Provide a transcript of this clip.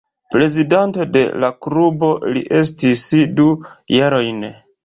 Prezidanto de la klubo li estis du jarojn.